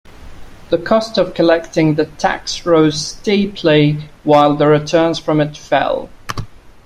The cost of collecting the tax rose steeply while the returns from it fell.